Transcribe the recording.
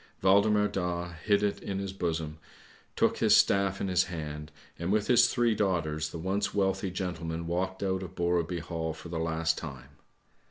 Waldemar Daa hid it in his bosom, took his staff in his hand, and with his three daughters the once wealthy gentleman walked out of Borreby Hall for the last time.